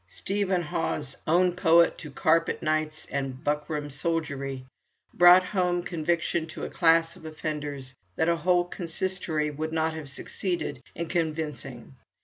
Stephen Hawes, own poet to carpet knights and buckram soldiery, brought home conviction to a class of offenders that a whole consistory would not have succeeded in convincing.